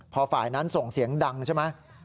พอฝ่ายนั้นส่งเสียงดังใช่ไหม